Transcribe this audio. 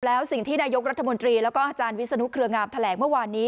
แล้วสิ่งที่นายกรัฐมนตรีแล้วก็อาจารย์วิศนุเครืองามแถลงเมื่อวานนี้